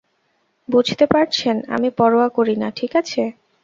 বুঝতে পারছেন - আমি পরোয়া করি না, ঠিক আছে?